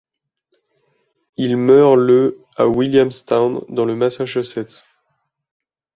Il meurt le à Williamstown, dans le Massachusetts.